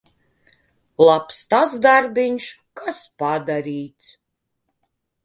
Labs tas darbiņš, kas padarīts.